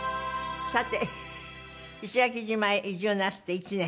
さて石垣島へ移住なすって１年？